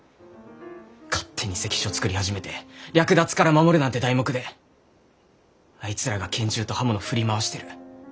勝手に関所作り始めて「略奪から守る」なんて題目であいつらが拳銃と刃物振り回してる。